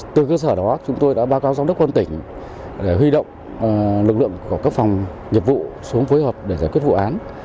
từ cơ sở đó chúng tôi đã báo cáo giám đốc quân tỉnh để huy động lực lượng của các phòng nhiệm vụ xuống phối hợp để giải quyết vụ án